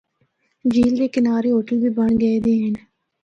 جھیل دے کنارے ہوٹل بھی بنڑ گئے دے ہن۔